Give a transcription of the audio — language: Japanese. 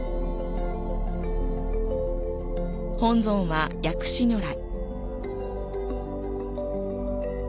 本尊は薬師如来。